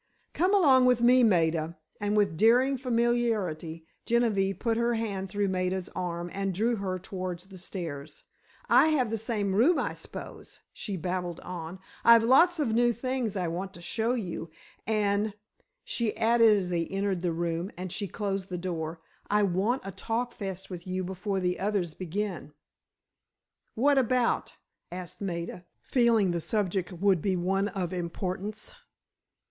"Come along with me, Maida," and with daring familiarity, Genevieve put her hand through Maida's arm and drew her toward the stairs. "I have the same room, I s'pose," she babbled on; "I've lots of new things I want to show you. And," she added as they entered the room, and she closed the door, "I want a talkfest with you before the others begin." "What about?" asked Maida, feeling the subject would be one of importance.